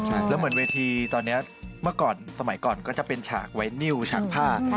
แล้วเหมือนเวทีตอนนี้เมื่อก่อนสมัยก่อนก็จะเป็นฉากไว้นิ้วฉากผ้า